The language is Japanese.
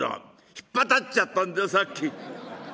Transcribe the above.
「ひっぱたいちゃったんだよさっき」。